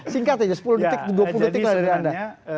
singkat aja sepuluh detik dua puluh detik dari anda